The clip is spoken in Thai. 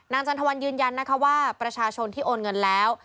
จันทวันยืนยันนะคะว่าประชาชนที่โอนเงินแล้ว